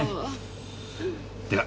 では。